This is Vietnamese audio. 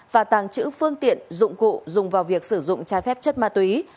và tàng trữ phương tiện dụng cụ dùng vào việc sử dụng trái phép chất ma túy